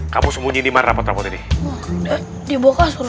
kamu sembunyi di mana potongan ini dibuka suruh